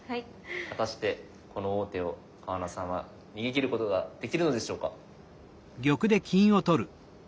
果たしてこの王手を川名さんは逃げ切ることができるのでしょうか。